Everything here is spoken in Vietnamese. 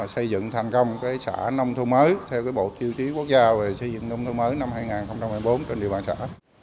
xây dựng thành công xã nông thôn mới theo bộ tiêu chí quốc gia về xây dựng nông thôn mới năm hai nghìn một mươi bốn trên địa bàn xã